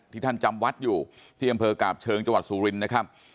ท่านจำวัดอยู่ที่อำเภอกาบเชิงจังหวัดสุรินทร์นะครับ